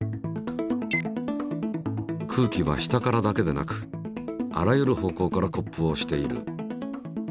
空気は下からだけでなくあらゆる方向からコップをおしている。